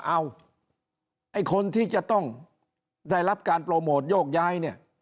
เอาไอ้คนที่จะต้องได้รับการโปรโมทโยกย้ายเนี่ย